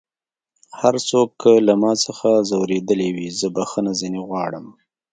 هر څوک که له ما څخه ځؤرېدلی وي زه بخښنه ځينې غواړم